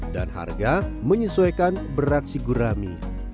dan harga menyesuaikan berat si gurami